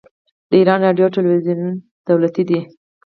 د ایران راډیو او تلویزیون دولتي دي.